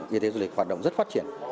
y tế du lịch hoạt động rất phát triển